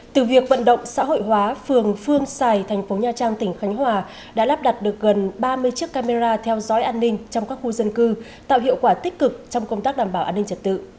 từ việc vận động xã hội hóa phường phương xài thành phố nha trang tỉnh khánh hòa đã lắp đặt được gần ba mươi chiếc camera theo dõi an ninh trong các khu dân cư tạo hiệu quả tích cực trong công tác đảm bảo an ninh trật tự